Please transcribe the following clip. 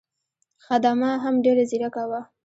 خدمه هم ډېره ځیرکه وه.